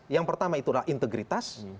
yang pertama itulah integritas